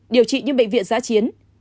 điều trị như bệnh viện giã chiến